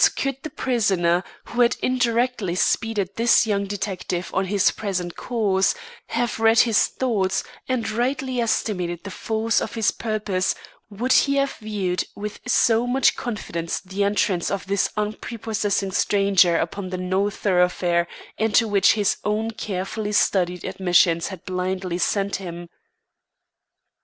But could the prisoner who had indirectly speeded this young detective on his present course, have read his thoughts and rightly estimated the force of his purpose, would he have viewed with so much confidence the entrance of this unprepossessing stranger upon the no thoroughfare into which his own carefully studied admissions had blindly sent him?